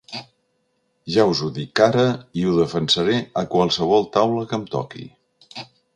Ja us ho dic ara i ho defensaré a qualsevol taula que em toqui.